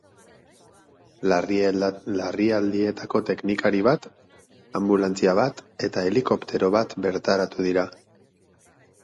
Larrialdietako teknikari bat, anbulantzia bat eta helikoptero bat bertaratu dira.